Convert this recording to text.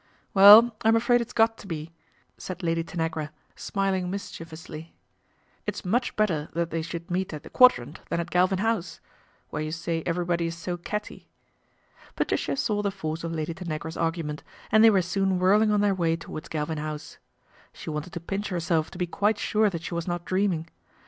Well, I'm afraid it's got to be," said Lady Tan agra, smiling mischievously; "it's much better that they should meet at the Quadrant than at Galvin House, where you say everybody is so catty." Patricia saw the force of Lady Tanagra's argu ment, and they were soon whirling on their way towards Galvin House. She wanted to pinch her self to be quite sure that she was not dreaming.